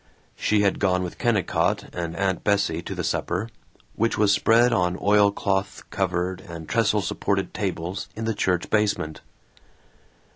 She had gone with Kennicott and Aunt Bessie to the supper, which was spread on oilcloth covered and trestle supported tables in the church basement.